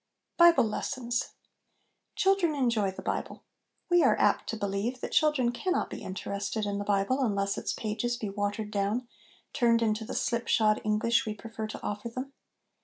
XIV. BIBLE LESSONS Children enjoy the Bible. We are apt to believe that children cannot be interested in the 248 HOME EDUCATION Bible unless its pages be watered down turned into the slipshod English we prefer to offer them.